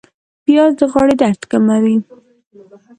پیاز د غاړې درد نرموي